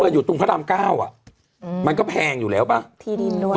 พอกันบ้านยกตรงพระรามเก้าอ่ะมันก็แพงอยู่แล้วป่ะที่